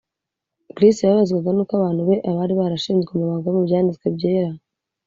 . Kristo yababazwaga nuko abantu be, abari barashinzwe amabanga yo mu Byanditswe Byera